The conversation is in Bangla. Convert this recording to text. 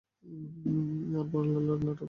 আর ভারত লালের নাটক দেখো।